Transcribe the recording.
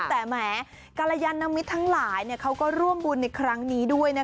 แต่แหมกรยานมิตรทั้งหลายเขาก็ร่วมบุญในครั้งนี้ด้วยนะ